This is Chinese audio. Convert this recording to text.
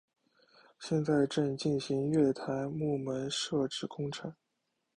现在正进行月台幕门设置工程。